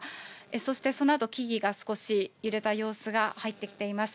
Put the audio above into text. そしてそのあと木々が少し揺れた様子が入ってきています。